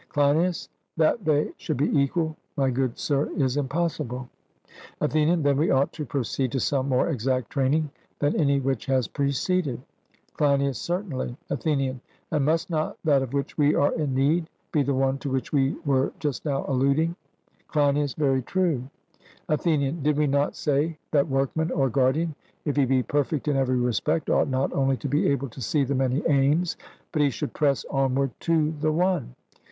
CLEINIAS: That they should be equal, my good sir, is impossible. ATHENIAN: Then we ought to proceed to some more exact training than any which has preceded. CLEINIAS: Certainly. ATHENIAN: And must not that of which we are in need be the one to which we were just now alluding? CLEINIAS: Very true. ATHENIAN: Did we not say that the workman or guardian, if he be perfect in every respect, ought not only to be able to see the many aims, but he should press onward to the one?